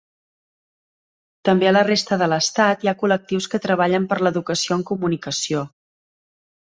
També a la resta de l'Estat hi ha col·lectius que treballen per l'educació en comunicació.